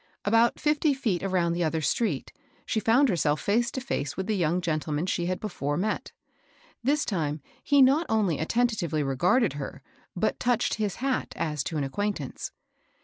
About fifty feet around the other street she found herself face to &ce with the young gentleman she had before met. This time he not only attentively regarded her, but touched his hat as to an acquaintance.